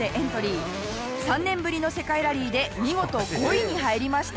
３年ぶりの世界ラリーで見事５位に入りました。